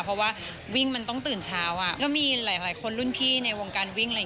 เพราะว่าวิ่งมันต้องตื่นเช้าอ่ะก็มีหลายคนรุ่นพี่ในวงการวิ่ง